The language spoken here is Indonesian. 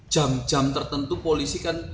jam jam tertentu polisi kan